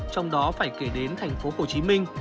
trong đó phải kể đến thành phố hồ chí minh